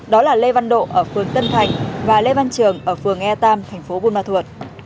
đó là lê văn độ ở phường tân thành và lê văn trường ở phường e ba tp bumathua